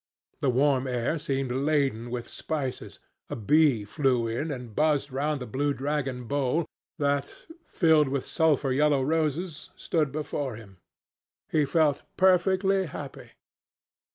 The warm air seemed laden with spices. A bee flew in and buzzed round the blue dragon bowl that, filled with sulphur yellow roses, stood before him. He felt perfectly happy.